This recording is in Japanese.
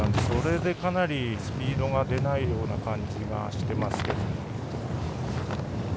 それでかなりスピードが出ないような感じがしてます。